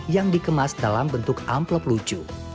yang dikemas dalam bentuk amplop lucu